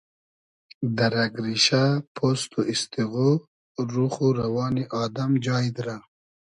دۂ رئگ ریشۂ پوست و ایسیغۉ روخ و روانی آدئم جای دیرۂ